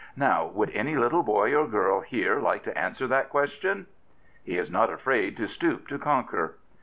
Now would any little boy or girl here like to answer that question? " He is not afraid to stoop to conquer.